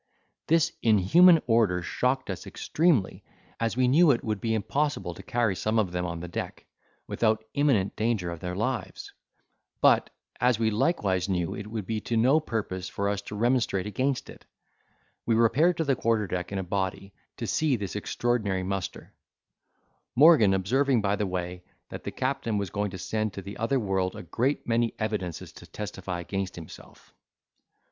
This inhuman order shocked us extremely, as we knew it would be impossible to carry some of them on the deck, without imminent danger of their lives: but, as we likewise knew it would be to no purpose for us to remonstrate against it, we repaired to the quarter deck in a body, to see this extraordinary muster; Morgan observing by the way, that the captain was going to send to the other world a great many evidences to testify against himself.